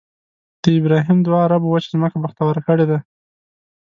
د ابراهیم دعا عربو وچه ځمکه بختوره کړې ده.